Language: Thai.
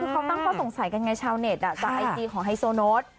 เขาตั้งเค้าสงสัยกันเนี่ยชาวเน็ตจากไอจีของไฮโซโนส